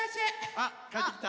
あっかえってきた。